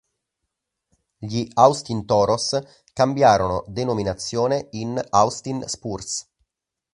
Gli Austin Toros cambiarono denominazione in Austin Spurs.